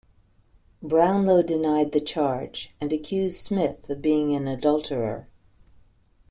Brownlow denied the charge, and accused Smith of being an adulterer.